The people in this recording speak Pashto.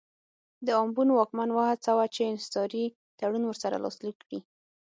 د امبون واکمن وهڅاوه چې انحصاري تړون ورسره لاسلیک کړي.